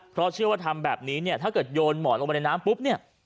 เพราะเชื่อว่าทำแบบนี้ถ้าเกิดโยนหมอนออกมาในน้ำปุ๊บ